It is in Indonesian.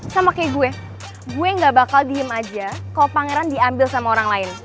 sama kayak gue gue gak bakal diem aja kok pangeran diambil sama orang lain